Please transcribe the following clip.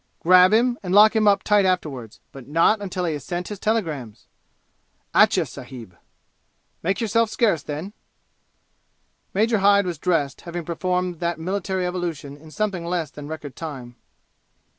"Grab him, and lock him up tight afterward but not until he has sent his telegrams!' "Atcha, sahib." "Make yourself scarce, then!" Major Hyde was dressed, having performed that military evolution in something less than record time.